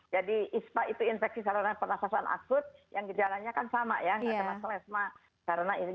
jadi ispa itu infeksi penasaran akut yang jalannya kan sama ya karena asma